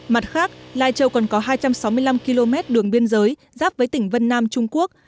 mặt khác lai châu còn có hai trăm sáu mươi năm km đường biên giới giáp với tỉnh vân nam trung quốc